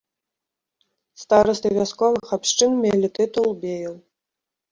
Старасты вясковых абшчын мелі тытул беяў.